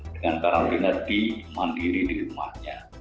dengan karantina di mandiri di rumahnya